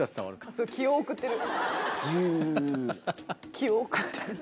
気を送ってる。